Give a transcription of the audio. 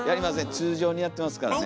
通常にやってますからね。